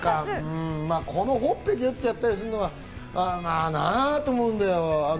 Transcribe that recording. このほっぺをギュッとやったりするのはまぁなぁと思うんだよ。